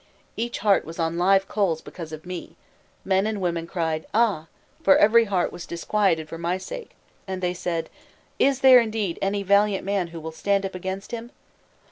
Each heart was on live coals because of me; men and women cried 'Ah!' for every heart was disquieted for my sake, and they said: 'Is there, indeed, any valiant man who will stand up against him?